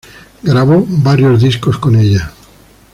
Grabó varios discos con ella.